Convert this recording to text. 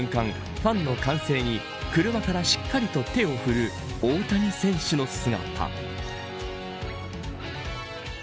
ファンの歓声に車からしっかりと手を振る大谷選手の姿。